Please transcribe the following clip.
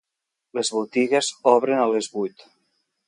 Les botigues obren a les vuit.